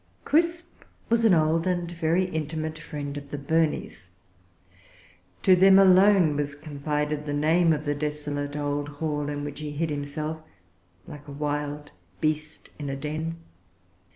Crisp was an old and very intimate friend of the Burneys. To them alone was confided the name of the desolate old hall in which he hid himself like a wild beast in a den.